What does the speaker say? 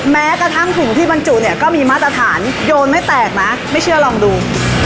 แม้กระทั่งถุงที่บรรจุเนี่ยก็มีมาตรฐานโยนไม่แตกนะไม่เชื่อลองดู